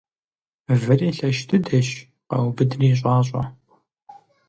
Выри лъэщ дыдэщ — къаубыдри щӀащӀэ.